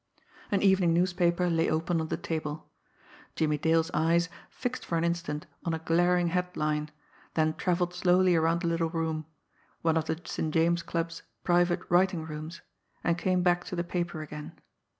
An evening newspaper lay open on the table. Jimmie Dale's eyes fixed for an instant on a glaring headline, then travelled slowly around the little room one of the St. James' Club's private writing rooms and came back to the paper again.